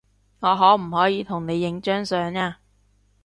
我可唔可以同你影張相呀